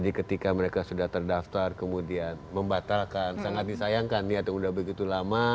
jadi ketika mereka sudah terdaftar kemudian membatalkan sangat disayangkan ya itu sudah begitu lama